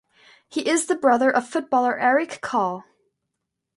He is the brother of footballer Eric Kahl.